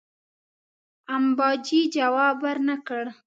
امباجي جواب ورنه کړ.